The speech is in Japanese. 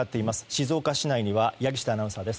静岡市内には柳下アナウンサーです。